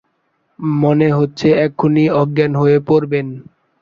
মনে হচ্ছে এক্ষুণি অজ্ঞান হয়ে পড়বেন।